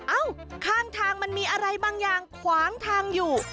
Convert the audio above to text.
เอ้าข้างทางมันมีอะไรบางอย่างขวางทางอยู่